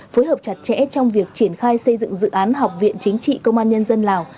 phối hợp chặt chẽ trong việc triển khai xây dựng dự án học viện chính trị công an nhân dân lào